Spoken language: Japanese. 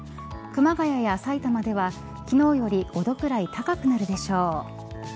熊谷やさいたまでは昨日より５度くらい高くなるでしょう。